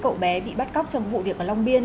cậu bé bị bắt cóc trong vụ việc ở long biên